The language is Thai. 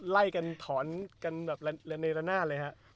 ไล่กันถอนกันแบบระเนละนาดเลยฮะ